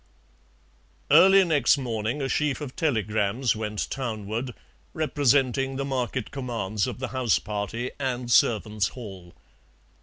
Early next morning a sheaf of telegrams went Townward, representing the market commands of the house party and servants' hall.